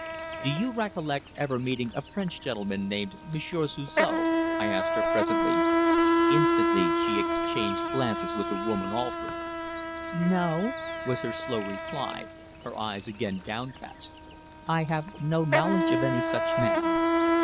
"Do you recollect ever meeting a French gentleman named Monsieur Suzor?" I asked her presently. Instantly she exchanged glances with the woman Alford. "No," was her slow reply, her eyes again downcast. "I have no knowledge of any such man."